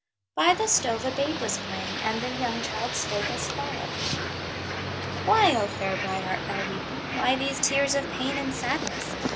By the stove a babe was playing, And the young child spake as follows: "Why, O fair bride, art thou weeping, Why these tears of pain and sadness?